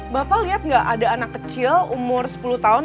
bapak lihat nggak ada anak kecil umur sepuluh tahun